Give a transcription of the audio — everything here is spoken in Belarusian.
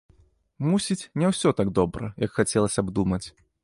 Мусіць, не ўсё так добра, як хацелася б думаць.